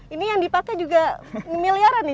ini yang dipakai juga miliaran ya